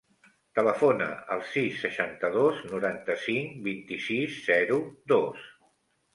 Telefona al sis, seixanta-dos, noranta-cinc, vint-i-sis, zero, dos.